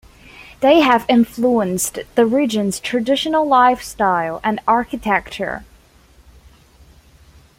They have influenced the region's traditional lifestyle and architecture.